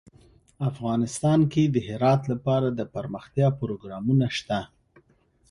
افغانستان کې د هرات لپاره دپرمختیا پروګرامونه شته.